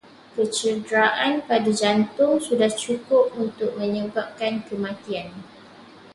Kecederaan pada jantung sudah cukup untuk menyebabkan kematian